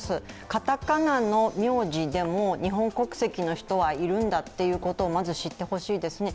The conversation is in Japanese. かたかなの名字でも日本国籍の人はいるんだということをまず知ってほしいですね。